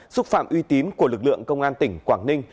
xúc phạm uy tín của lực lượng công an tỉnh quảng ninh